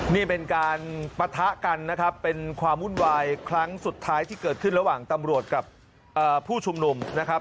นี่เป็นการปะทะกันนะครับเป็นความวุ่นวายครั้งสุดท้ายที่เกิดขึ้นระหว่างตำรวจกับผู้ชุมนุมนะครับ